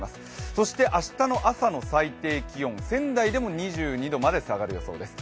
そして明日の朝の最低気温、仙台でも２２度まで下がる予想です。